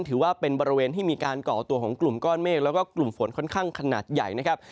ถือว่าเป็นบริเวณที่มีการก่อตัวของกลุ่มก้อนเมฆแล้วก็กลุ่มฝนค่อนข้างขนาดใหญ่นะครับ